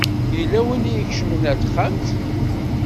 Yella win i ikecmen ar texxamt.